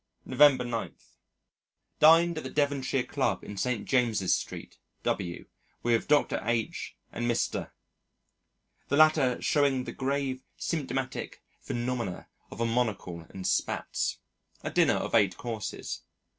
November 9. Dined at the Devonshire Club in St. James's Street, W., with Dr. H and Mr. , the latter showing the grave symptomatic phenomena of a monocle and spats. A dinner of eight courses.